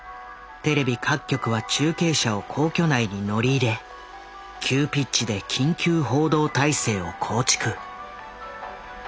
テレビ各局は中継車を皇居内に乗り入れ急ピッチで緊急報道態勢を構築。